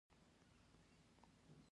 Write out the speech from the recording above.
صورت جلسه د پریکړو لیکل دي